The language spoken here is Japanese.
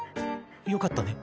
よかったね。